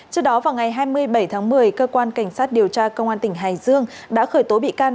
trước đó vào ngày hai mươi bảy tháng một mươi cơ quan cảnh sát điều tra công an tỉnh hải dương đã khởi tố bị can